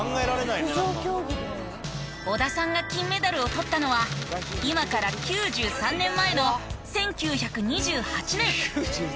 織田さんが金メダルをとったのは今から９３年前の１９２８年。